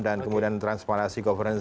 dan kemudian transparansi governance